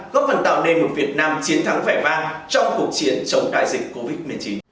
góp phần tạo nên một việt nam chiến thắng vẻ vang trong cuộc chiến chống đại dịch covid một mươi chín